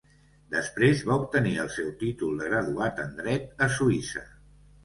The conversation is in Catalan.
Després va obtenir el seu títol de graduat en Dret a Suïssa.